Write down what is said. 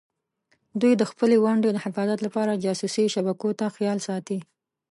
دوی د خپلې ونډې د حفاظت لپاره جاسوسي شبکو ته خیال ساتي.